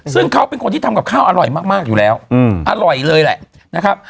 ซึ่งเขาเป็นคนที่ทำกับข้าวอร่อยมากอยู่แล้วอร่อยเลยแหละนะครับ